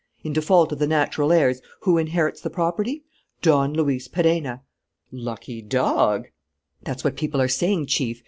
In default of the natural heirs, who inherits the property? Don Luis Perenna." "Lucky dog!" "That's what people are saying, Chief.